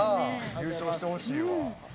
優勝してほしいわ。